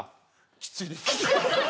きついです。